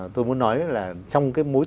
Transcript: tôi muốn nói là trong cái mối